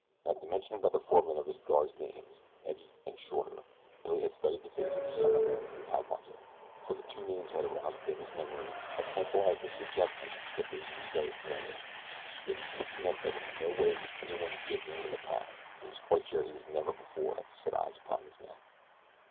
At the mention by the foreman of his guard's names Eddie and Shorter Billy had studied the face of the young American cowpuncher, for the two names had aroused within his memory a tantalizing suggestion that they should be very familiar. Yet he could connect them in no way with anyone he had known in the past and he was quite sure that he never before had set eyes upon this man.